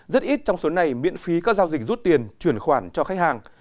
rất ít trong số này miễn phí các giao dịch rút tiền chuyển khoản cho khách hàng